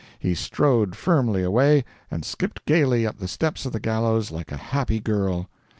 He strode firmly away, and skipped gaily up the steps of the gallows like a happy girl.